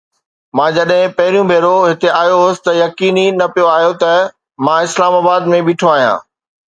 مان جڏهن پهريون ڀيرو هتي آيو هوس ته يقين ئي نه پئي آيو ته مان اسلام آباد ۾ بيٺو آهيان.